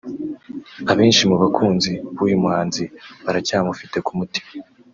Abenshi mu bakunzi b’uyu muhanzi baracyamufite ku mutima